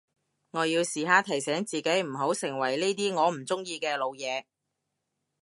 我要時刻提醒自己唔好成為呢啲我唔中意嘅老嘢